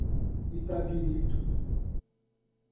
Itabirito